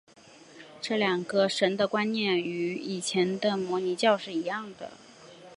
这两个神的观念与以前的摩尼教是一样的。